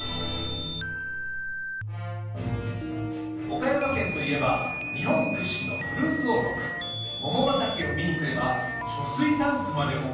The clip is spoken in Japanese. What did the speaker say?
岡山県といえば日本屈指のフルーツ王国桃畑を見に来れば貯水タンクまで桃